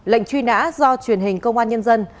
lệnh truy nã do truyền hình công an nhân dân